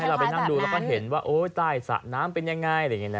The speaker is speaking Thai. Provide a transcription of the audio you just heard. ให้เราไปนั่งดูแล้วก็เห็นว่าโอ้ยใต้สระน้ำเป็นยังไง